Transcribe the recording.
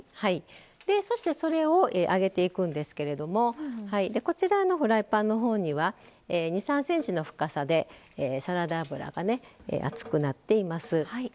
そして、それを揚げていくんですけれどもフライパンのほうには２３ｃｍの深さでサラダ油が熱くなっています。